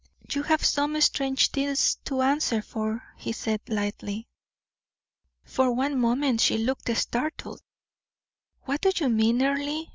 "You have some strange deeds to answer for," he said, lightly. For one moment she looked startled. "What do you mean, Earle?"